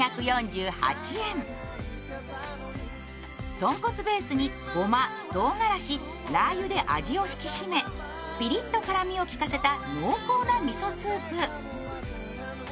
豚骨ベースにごま、唐辛子などで味を引き締めピリッと辛みを効かせた濃厚なみそスープ。